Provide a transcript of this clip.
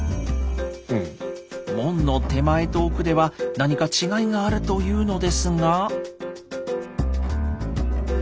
門の手前と奥では何か違いがあるというのですが。